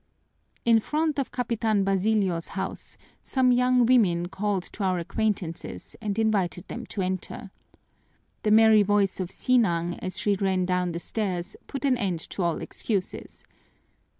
In front of Capitan Basilio's house some young women called to our acquaintances and invited them to enter. The merry voice of Sinang as she ran down the stairs put an end to all excuses.